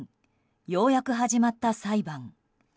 ようやく始まった裁判。